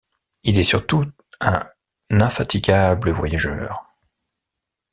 Il est surtout un infatigable voyageur.